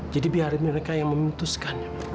jadi biarkan mereka yang memutuskannya ma